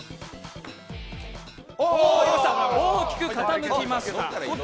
大きく傾きました。